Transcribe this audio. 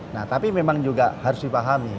nah tapi memang juga harus dipahami